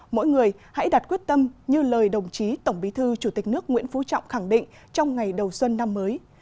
mỗi người hãy đặt quyết tâm như lời đồng chí tổng bí thư chủ tịch nước nguyễn phú trọng khẳng định trong ngày đầu xuân năm mới